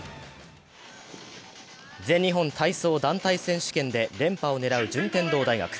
全日本体操団体選手権で連覇を狙う順天堂大学。